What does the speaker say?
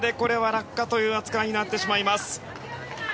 落下という扱いになってしまいます。